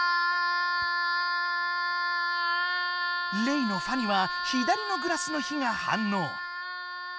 レイの「ファ」には左のグラスの火がはんのう！